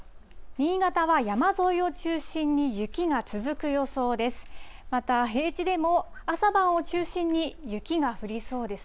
新潟は山沿いを中心に雪が続く予想です。